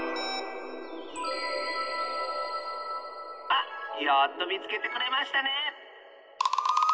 あっやっとみつけてくれましたね！